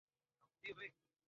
আপনি স্বয়ং এলেন কেন?